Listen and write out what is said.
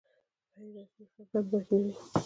غیر رسمي خنډ هم باید نه وي.